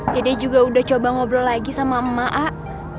juga udah coba ngobrol lagi sama emak